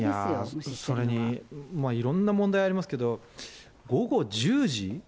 さらに、いろんな問題ありますけど、午後１０時？